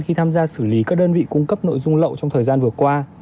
khi tham gia xử lý các đơn vị cung cấp nội dung lậu trong thời gian vừa qua